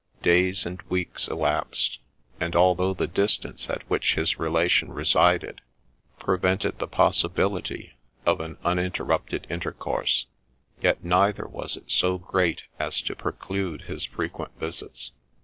'" Days and weeks elapsed ; and although the distance at which his relation resided prevented the possibility of an un interrupted intercourse, yet neither was it so great as to preclude his frequent visits.